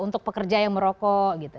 untuk pekerja yang merokok